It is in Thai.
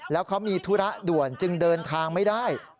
แล้วเขามีธุระด่วนจึงเดินทางไม่ได้